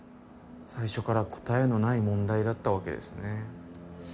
最初から答えのない問題だったわけですね。